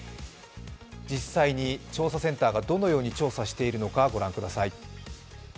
実際に調査センターがどのように調査しているのかご覧ください。